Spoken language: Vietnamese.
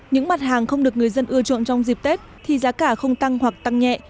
những mặt hàng không được người dân ưa chuộng trong dịp tết thì giá cả không tăng hoặc tăng nhẹ